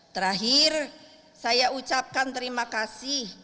terakhir saya ucapkan terima kasih